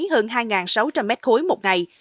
hơn hai sáu trăm linh mét khối một ngày